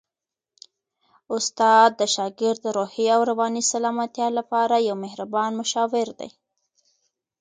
استاد د شاګرد د روحي او رواني سلامتیا لپاره یو مهربان مشاور دی.